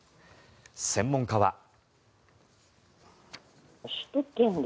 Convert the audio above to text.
専門家は。